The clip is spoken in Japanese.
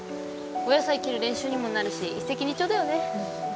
お野菜切る練習にもなるし一石二鳥だよね。